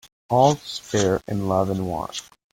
All's fair in love and war.